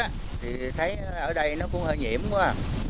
thì thấy ở đây nó cũng hơi nhiễm quá